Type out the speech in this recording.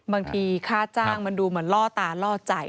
ค่าจ้างมันดูเหมือนล่อตาล่อใจ